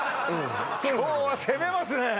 今日は攻めますね